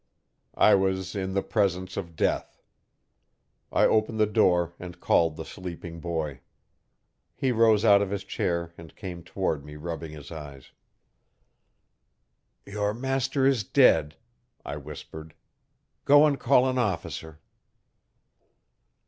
I was in the presence of death. I opened the door and called the sleeping boy. He rose out of his chair and came toward me rubbing his eyes. 'Your master is dead,' I whispered, 'go and call an officer.